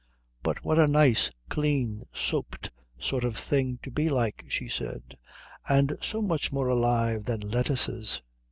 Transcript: "But what a nice, clean, soaped sort of thing to be like!" she said. "And so much more alive than lettuces."